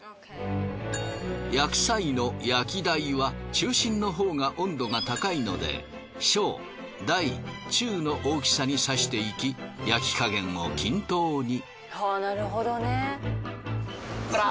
焼く際の焼き台は中心のほうが温度が高いので小大中の大きさに刺していき焼き加減を均等に。